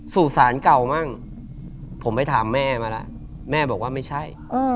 สู่สารเก่ามั่งผมไปถามแม่มาแล้วแม่บอกว่าไม่ใช่